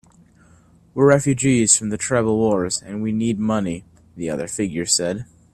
"We're refugees from the tribal wars, and we need money," the other figure said.